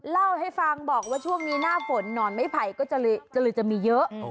เล่าให้ฟังบอกว่าช่วงนี้หน้าฝนหนอนไม่ไผ่ก็เลยจะมีเยอะ